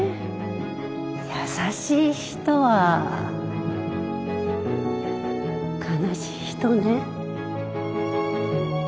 優しい人は悲しい人ね。